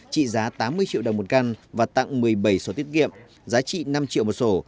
trị giá tám mươi triệu đồng một căn và tặng một mươi bảy sổ tiết kiệm giá trị năm triệu một sổ